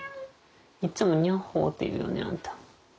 いっつも「ニャッホー」って言うよねあんた。